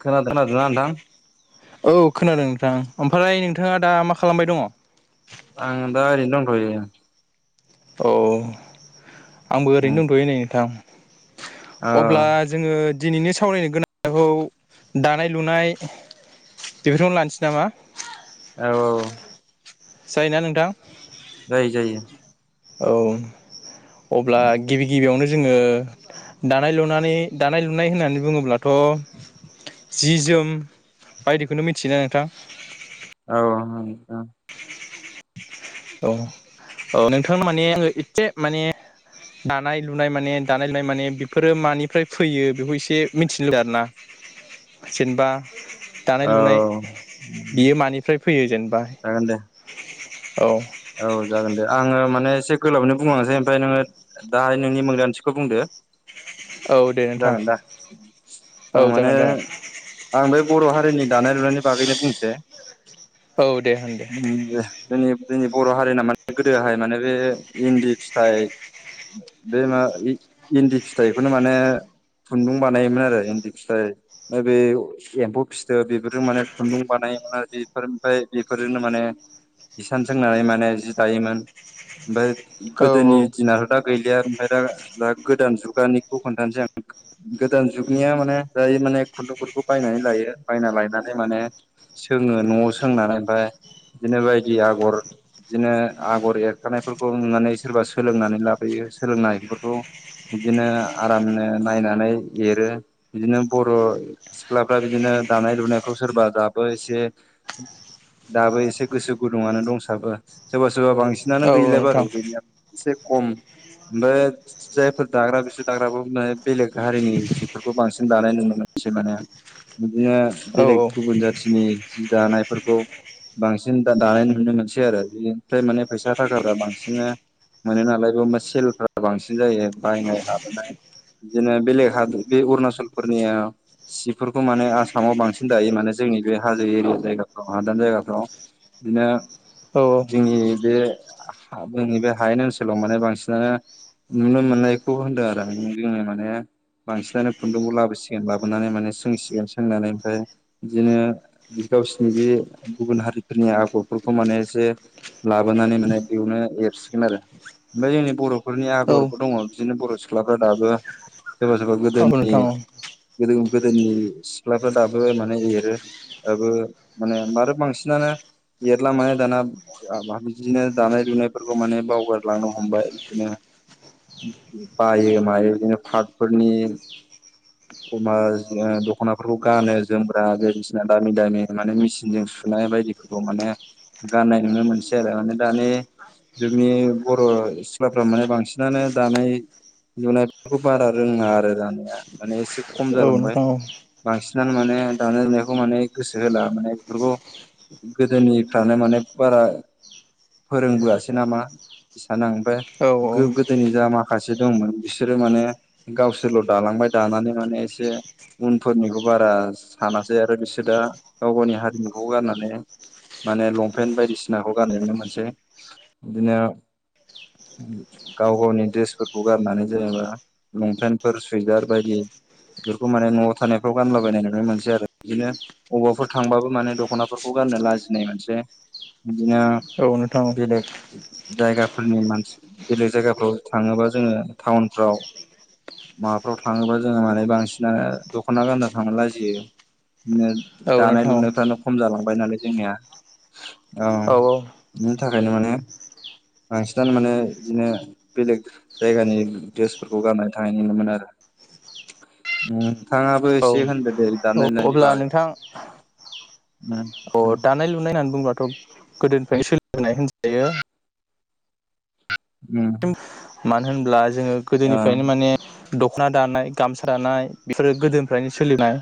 खोनादों खोनादोंना नोंथां? थां ओमफ्राय नोंथाङा दा मा खालामबाय दङ? आं दा ओरैनो औ आंबो उम ओरैनो दंथ'यो नै नोंथां। औ अब्ला जोङो दिनैनो सावरायनो गोनांखौ दानाय लुनाय बेफोरखौनो लानोसै नामा? औ औ। जायो ना नोंथां? जायो जायो। औ अब्ला गिबि गिबियावनो जोङो दानाय लुनानै दानाय लुनाय होननानै बुङोब्लाथ' जि जोम बायदिखौनो मिथियोना नोंथां? औ ओ ओ ओं। औ औ औ नोंथां माने आङो एदसे माने दानाय लुनाय माने दानाय लुनाय माने बेफोरो मानिफ्राय फैयो बेखौ इसे मिथिनो लुबैदों आरना। जेनबा दानाय लुनाय औ बियो मानिफ्राय फैयो जेनबा जागोन दे औ। औ जागोन दे आङो माने एसे गोलावैनो बुंलांसै ओमफाय नोङो दाहाय नोंनि मोनदांथिखौ बुंदो। औ दे नोंथां जागोन दा? औ ओं माने जागोन जागोन आं बे बर' हारिनि दानाय लुनायनि बागैनो बुंसै। औ दे होन दे। जोंनि जोंनि बर' हारिना माने गोदोहाय माने बे इन्दि फिथाइ बे मा इ-इन्दि फिथाइखौनो माने खुन्दुं बानायोमोन आरो इन्दि फिथाइ फाय बे एम्फौ फिथोब बेफोरजों माने खुन्दुं बानाय [unintelligible] बेफोर ओमफाय बेफोरजोंनो माने इस सान सोंनानै माने जि दायोमोन ओमफाय औ गोदोनि दिनाथ' दा गैलिया ओमफाय दा दा गोदान जुगानिखौ खनथानसै आं गोदान जुगनिया माने जाय माने खुन्दुंफोरखौ बायनानै लायो बायना लायनानै माने सोङो न'आव सोंनानै ओमफाय बिदिनो बायदि आगर बिदिनो आगर एरखानायफोरखौ नुनानै सोरबा सोलोंनानै लाबोयो सोलोंनायफोरखौ बिदिनो आरामनो नायनानै एरो बिदिनो बर' सिख्लाफ्रा बिदिनो दानाय लुनायखौ सोरबा दाबो ए दाबो एसे गोसो गुदुङानो दंसाबो सोरबा सोरबा बांसिनानो औ गैलाय बारु नोंथां गैनाया एसे खम ओमबेब जायफोर दाग्रा बिसोर दाग्राखौ ने बेलेग हारिनि जिफोरखौ बांसिन दानाय नुनो मोन एसे माने बिदिनो औ बेलेग गुबुन जाथिनि जि दानायफोरखौ बांसिन दा दानाय नुनो मोनसै आरो बेनिफ्राय माने फैसा थाखाफ्रा बांसिनो मोनो नालाय बेयामा सेलफ्रा बांसिन जायो बायनाय लाबोनाय बिदिनो बेलेग हाद बे अरुणाचलफोरनिया सिफोरखौ माने आसामाव बांसिन दायो माने जे जोंनि बे हाजो एरिया जायगाफ्राव हादान जायगाफ्राव बिदिनो औ जोंनि बे जोंनि बे हायेन ओनसोलाव माने बांसिनानो नुनो मोननायखौ होनदों आरो जोंनि माने बांसिनानो खुन्दुंखौ लाबोसिगोन लाबोनानै माने सोंसिगोन सोंनानै ओमफाय इदिनो गावसनि बे गुबुन हारिफोरनि आब गरफोरखौ माने एसे लाबोनानै माने बेयावनो एरसिगोन आरो ओमफाय जोंनि बर'फोरनि आगरबो औ दङ बिदिनो बर' सिख्लाफ्रा दाबो सोरबा सोरबा गोदोनि नोंथां गोदौ गोदोनि सिख्लाफ्रा दाबो माने एरो दाबो माने मारो बांसिनानो एरला माने दाना बिदिनो दानाय लुनायफोरखौ माने बावगारलांनो हमबाय बिदिनो बायो मायो इदिनो पारटफोरनि खमा जाडो दख'नाफोरखौ गानो जोमग्रा बायदिसिना दामि दामि माने मेसिनजों सुनाय बायदिफोर ग माने गाननाय नुनो मोनसै आरो माने दानि जोंनि बर' सिख्लाफ्रा माने बांसिनानो दानाय लुनायफोरखौ बारा रोङा आरो जानाया माने एसे खम औ जालांबाय नोंथां औ बांसि [unintelligible] नां माने दानाय लुनायखौ माने गोसो होला माने बेफोरखौ गोदोनिफ्रानो माने बारा फोरोंबोआसै नामा सान आं ओमफे औ गोदोनि जा माखासे दंमोन बिसोरो माने गावसोरल' दालां माय दानानै माने एसे उनफोरनिखौ बारा सानासै आरो बिसोर दा गाव गावनि हारि मुखौ गारनानै माने लंपेन्ट बायदिसिनाखौ गानो नुनोमोनसै इदिनो गाव गावनि दड्रेसफोरखौ गारनानै जेनेबा लंपेन्टफोर सुइजार बायदि बेफोरखौ माने न'आव थानायफ्राव गानलाबायनाय नुनो मोनसै आरो इदिनो अबाफोर थांबाबो माने दख'नाफोर खौ गाननो लाजिनाय मोनसै इदिनो नोंथां बेलेग जायगाफोरनि मानसि बेलेग जायगाफ्राव थाङोबा जोङो टाउनफ्राव माबाफ्राव थाङोबा जोङो माने बांसिनानो दख'ना गानना थांनो लाजियो बिदिनो औ दानाय नोंथां लुनायफ्रानो खम जाला बाय नालाय जोंनिया औ बिनि थाखायनो माने बांसिनानो माने बिदिनो बेलेग जायगानि ड्रेसफोरखौ गाननाय थानाय नुनो मोनो आरो नोंथाङाबो औ एसे होन्दो दे दानाय औ लुनायनि अब्ला बागै नोंथां [unintelligible] अ दानाय लुनाय होननानै बुंब्लाथ' गोदोनिफ्रायनो सोलिबोनाय होनजायो उम मानो होनोब्ला जोङो ओं गोदोनिफ्रायनो माने दख'ना दानाय गामसा दानाय बेफोरो गोदोनिफ्रायनो सोलिनाय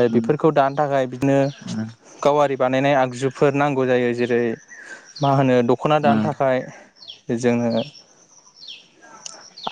ओ बेफोरखौ दानो थाखाय बिदिनो गावारि बानायनाय आगजुफोर नांगौ जायो जेरै मा होनो दख'ना दानो थाखाय जोङो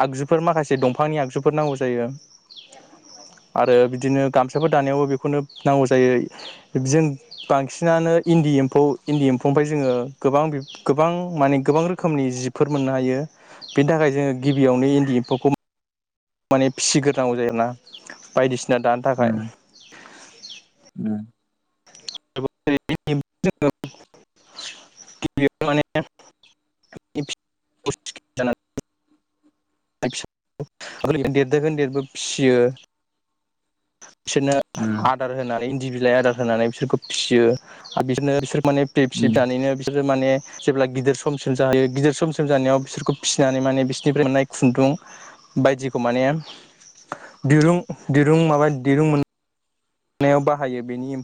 आगजुफोर माखासे दंफांनि आगजुफोर नांगौ जायो। [inaudible] आरो बिदिनो गामसाफोर दानायावबो बेखौनो नांगौ जायो। बि जों बांसिनानो इ न्दि एम्फौ इन्दि एम्फौनिफ्राय जोङो गोबां बि गोबां माने गोबां रोखोमनि जिफोर मोननो हायो। बिनि थाखाय जोङो गिबियावनो इन्दि एम्फौखौ माने फिसिग्रोनांगौ जायो आरोना? बायदिसि ना दानो थाखाय। [unintelligible] [unintelligible] [unintelligible] देरदोखोन देरबो फिसियो। बिसोरनो आदार होनानै इन्दि बिलाइ आदार होनानै बिसोरखौ फिसियो आरो बिदिनो बिसोर [unintelligible] माने जेब्ला गिदिर समसिम जाहोयो गिदिर समसिम जानायाव बिसोरखौ फिसिनानै माने बिसोरनिफ्राय मोननाय खुन्दुं बायदिखौ माने दिरुं दिरुं माबा दिरुं मोन नायाव बाहायो बेनि एम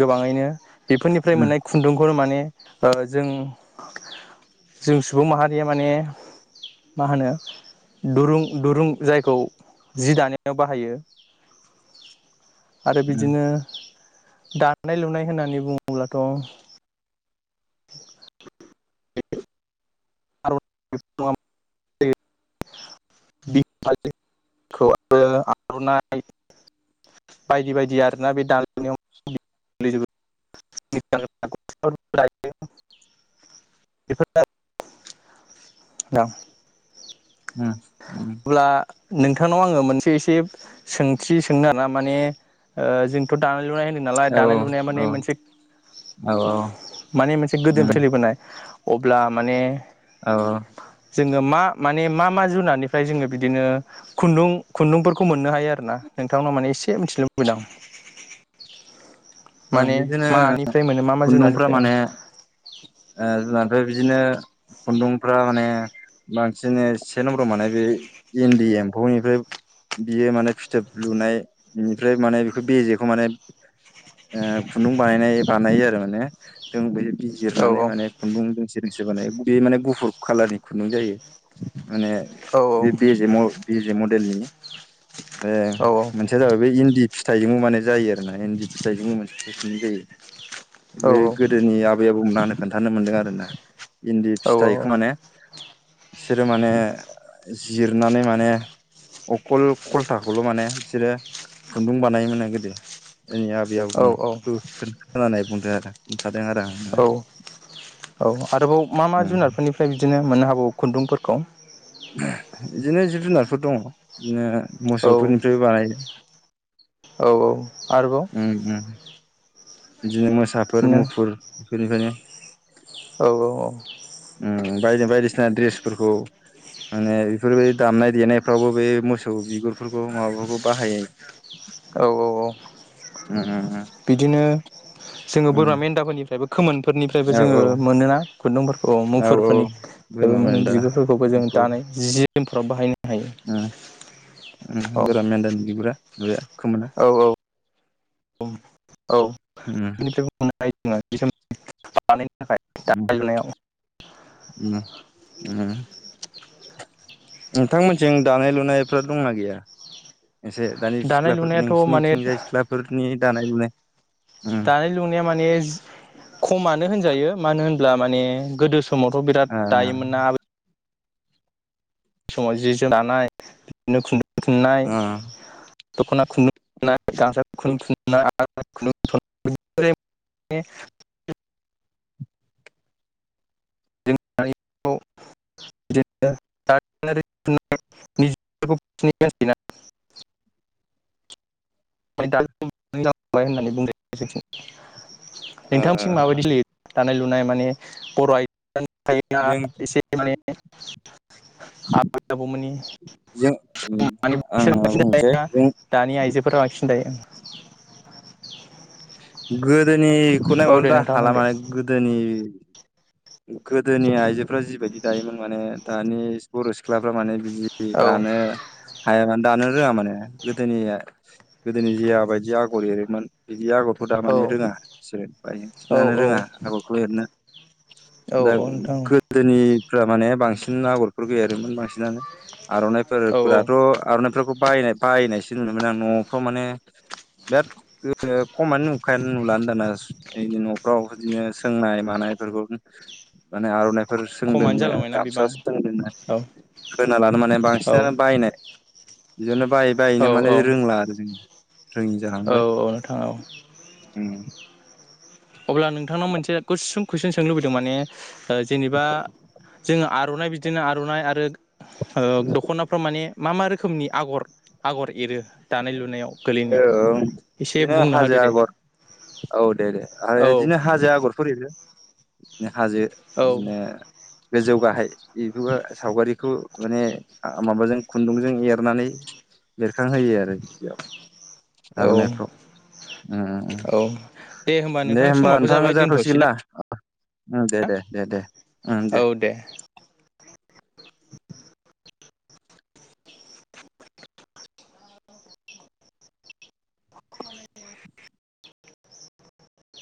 गोबाङैनो बेफोरनिफ्राय मोननाय खुन्दुंखौनो माने ओ जों जों सुबुं माहारिया माने मा होनो दुरुं दुरुं जायखौ जि दानायाव बाहायो [inaudible] आरो बिदिनो दानाय लुनाय होननानै बुङोब्लाथ' [unintelligible] [unintelligible] बायदि बायदि आरोना बे दानाय लुनायाव गोलैजोबो। [unintelligible] औ। उम। अब्ला नोंथांनाव आङो मोनसे जे सोंथि सोंनो आरोना माने ओ जोंथ' दानाय लुनाय होनदों नालाय औ दानाय लुनाया माने मोनसे औ माने मोनसे उम, गोदोनिफ्राय सोलिबोनाय। अब्ला माने औ औ। जोङो मा माने मा मा जुनारनि फ्राय जोङो बिदिनो खुन्दुं खुन्दुंफोरखौ मोननो हायो आरो ना? नोंथांनाव माने एसे मिथिनो लुबैदों आं। [inaudible] ओ बिदिनो मानिफ्राय मोनो मा मा खुन्दुंफ्रा जुनारनिफ्राय माने ओ ओ बिदिनो खुन्दुंफ्रा माने बांसिन से नाम्बराव मानाय बे इन्दि एम्फौनिफ्राय बियो माने फिथोब लुनाय बेनिफ्राय माने बेखौ बेजेखौ माने ओ खुन्दुं बानायनाय बानायो आरो माने जों बै औ बिजिरनानै माने खुन्दुं निसो बानाय बे माने गुफुर कालारनि खुन्दुं जायो माने औ बे जे म बेजे मडेलनि ए औ मोनसेया जाबाय बे इन्दि फिथाइजोंबो माने जायो आरोना इन्दि फिथाइजोंबो मोनसे थिखुनु जायो औ बे गोदोनि आबै आबौमोनानो खोन्थानो मोनदों आरोना इन्दि फिथाइखौ माने बिसोरो माने जिरनानै माने अखल खलथाखौल माने बिसोरो खुन्दुं बानायोमोन आरो गोदो जोंनिया आब बेयाव औ उम [unintelligible] खानानाय बुंदों आरो खोनथादों आरो आंनो। औ औ आरोबाव मा मा उम जुनारफोरनिफ्राय बिदिनो मोननो हाबावो खुन्दुंफोरखौ? बिदिनो जिब जुनारफोर दंङ बिदिनो औ मोसौफोरनिफ्राय बानायो। औ। आरोबाव उम उम। बिदिनो मोसाफोर बिदिनो मुफुर बेफोरनिफ्रायनो। औ औ औ। उम उम बाय बायदिसिना द्रेसफोरखौ माने बेफोरबायदि दामनाय देनायफ्रावबो बे मोसौ बिगुरफोरखौ माबाफोरखौ बाहायो। औ औ औ। उम उम बिदिनो जोंङो उम बोरमा मेन्दाफोरनिफ्रायबो खोमोनफोरनिफ्रायबो औ जोङो औ मोनोना? खुन्दुंफोरखौ औ औ मुफुरफोरनिफ्रायबो बोरमा माने मेन्दा बिगुरफोरखौबो जों गुफुर दानाय जि जोमफ्राव बाहायनो हायो उम औ उम बोरमा मेदानि बिगुरा [unintelligible] खोमोना। औ औ औ। उम [unintelligible] उम। दानाय लुनायाव उम उम नोंथांमोन जों दानाय लुनायफ्रा दंना गैया? एसे दानि दानाय सिख्लाफोर लुनायाथ' माने नोंसिनिथिंजाय सिख्लाफोरनि दानाय लुनाय उम दानाय लुनाया माने जि खमानो होनजायो मानो होनब्ला माने गोदो समावथ बिराद दायोमोन ना आ समाव जि जो दानाय बिदिनो खुन्दुं थुननाय। ओ दखना खुन्दुं। [unintelligible] ए। [unintelligible] बिदिनो। [unintelligible] [inaudible] [unintelligible] होननानै बुंदो जोंनिथिं। ओ नोंथांनिथिं माबायदि ओ सोलियो दानाय लुनाय माने बर' आइ [unintelligible] थायोना जों [unintelligible] एसे माने आबै आबौ मोननि। जों आं बुंनोसै [unintelligible] जों दानि आइजोफोरा ओं। गोदोनिखौ नायबा दे दा नोंथां हाला होन दे माने गोदोनि गोदोनि आइजोफ्रा जिबायदि दायोमोन माने दानि बर' सिख्लाफ्रा माने बिदि औ दानो हाया माने दानो रोंङा माने गोदोनिया गोदोनि जिया बायदि आगर एरोमोन। जि आगरखौ दा औ माने रोंङा बिसोरो बांसिनानो औ रोंङा आगरखौ एरनो। औ दा नोंथां गोदोनिफ्रा माने बांसिन आगरफोर एरोमोन बांसिनानो। आरनाइफोर औ औ फोराथ' आरनाइफोरखौ बायनाय बायनायसो नुयोमोन आं न'फ्राव माने बिराद ओ खमानो नुखायानो नुलानो दाना सो न'फ्राव बिदिनो सोंनाय मानाय नोंगौ उम माने आरनाय फोर खमानो सोंदोंना जालांबायना बिबां गामसासो सोंदोंना औ खोनालानो माने औ बांसिनानो बायनाय बिदिनो बायै औ बायैनो माने औ रोंला आरो जोंङो। औ औ नोंथां‌ औ। उम। अब्ला नोंथांनाव मोनसे गुसुं कुइसन सोंनो लुबैदों माने ओ जेनेबा जोंङो आर'नाइ बिदिनो आरनाइ आरो ओ दखनाफ्राव माने मा मा रोखोमनि आगर आगर एरो दानाय लुनायाव? ओ गोलैनायाव ओं एसे बिदिनो बुंना हाजो होदो दे आगर औ दे दे। आरो औ इदिनो हाजो आगरफोर एरो हाजो औ इदिनो गोजौ गाहाय बेफोरबो सावगारिखौ माने आ माबाजों खुन्दुंजों एरनानै बेरखांहोयो आरो औ आरनाय फ्राव ओंओं औ दे नोंथां होमबा समाबो नोंथां जाबाय दोनथ'सै जाथसिगोन ना ओ दे दे दे दे ओं दे